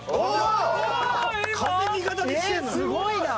すごいな。